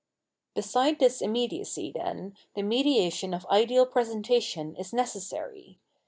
Beside this immediacy, then, the mediation of ideal presentation is necessary.